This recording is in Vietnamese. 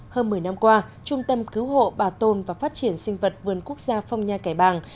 hơn một mươi năm qua trung tâm cứu hộ bảo tồn và phát triển sinh vật vườn quốc gia phong nha kẻ bàng